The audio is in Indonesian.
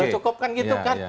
cukup kan gitu kan